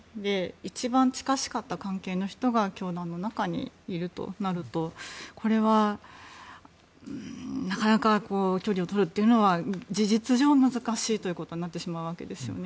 一番、近しかった関係の人が教団の中にいるとなるとなかなか距離をとるのは事実上、難しいとなってしまうわけですよね。